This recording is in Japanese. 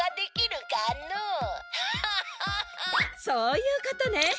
そういうことね。